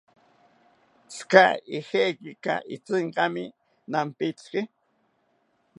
¿Tzika ijekaki itzinkami nampitziki?